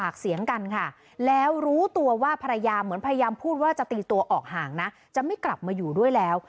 การพูดว่าจะตีตัวออกห่างนะจะไม่กลับมาอยู่ด้วยแล้ว